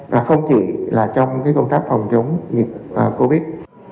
và không chỉ là trong công tác phòng chống dịch covid